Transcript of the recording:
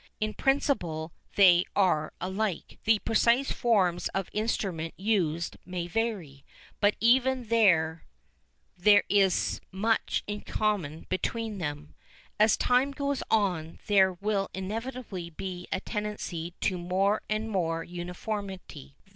In principle they are alike. The precise forms of instrument used may vary, but even there there is much in common between them. As time goes on there will inevitably be a tendency to more and more uniformity.